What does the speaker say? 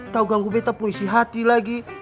tau ganggu betap mau isi hati lagi